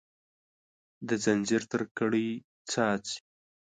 د ځنځیر تر کړۍ څاڅي